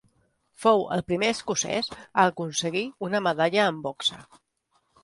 Fou el primer escocès a aconseguir una medalla en boxa.